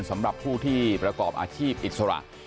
สำหรับผู้ที่ประกอบอาชีพอิสระ